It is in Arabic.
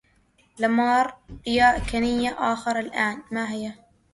لماريا كنية آخرى الآن - ماهي ؟